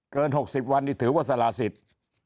เกิน๖๐วันนี่ถือว่าสารสิทธิ์